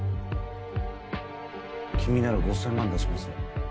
君なら５０００万出しますよ。